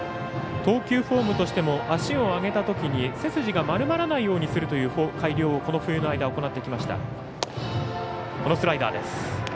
投球フォームとしても足を上げたときに背筋が丸まらないようにするという改良をこの冬の間行ってきました。